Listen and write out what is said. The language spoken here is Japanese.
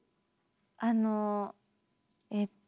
あのえっと。